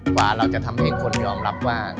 กว่าเราจะทำให้คนยอมรับว่า